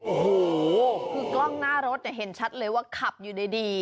โอ้โหคือกล้องหน้ารถเห็นชัดเลยว่าขับอยู่ดี